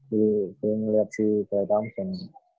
jadi sering lihat si klay thompson